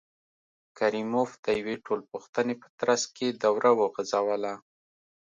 کریموف د یوې ټولپوښتنې په ترڅ کې دوره وغځوله.